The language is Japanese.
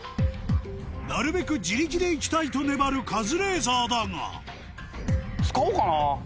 なるべく自力で行きたいと粘るカズレーザーだが使おうかな。